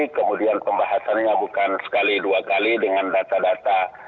kemudian pembahasannya bukan sekali dua kali dengan data data